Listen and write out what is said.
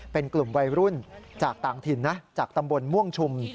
เป็นกลุ่มวัยรุ่นจากต่างถิ่นนะจากตำบลม่วงชุม